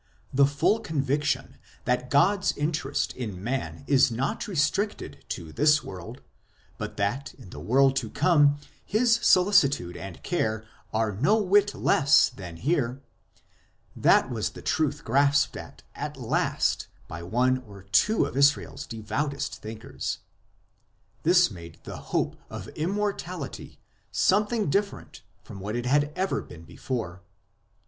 The full conviction that God s interest in man is not restricted to this world, but that in the world to come His solicitude and care are no whit less than here that was the truth grasped at last by one or two of Israel s devoutest thinkers ; this made the hope of Immortality something different from what it had ever been before.